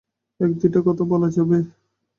এক দুইটা কথা বলা যাবে?